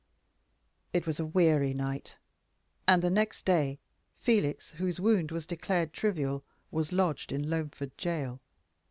It was a weary night; and the next day, Felix, whose wound was declared trivial, was lodged in Loamford Jail.